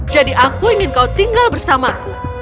jadi aku ingin kau tinggal bersamaku